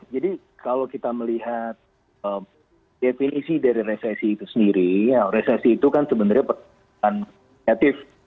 jadi kalau kita melihat definisi dari resesi itu sendiri resesi itu kan sebenarnya perkembangan kreatif